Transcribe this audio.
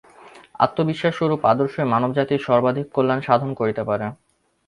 আত্মবিশ্বাসস্বরূপ আদর্শই মানবজাতির সর্বাধিক কল্যাণ সাধন করিতে পারে।